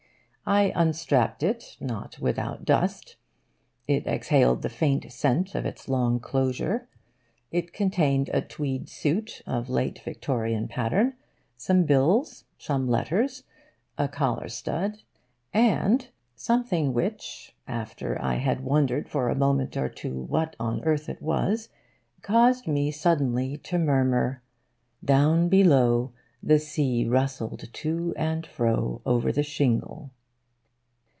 I unstrapped it, not without dust; it exhaled the faint scent of its long closure; it contained a tweed suit of Late Victorian pattern, some bills, some letters, a collar stud, and something which, after I had wondered for a moment or two what on earth it was, caused me suddenly to murmur, 'Down below, the sea rustled to and fro over the shingle.